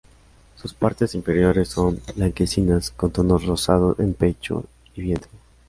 Sus partes inferiores son blanquecinas, con tonos rosados en pecho y vientre.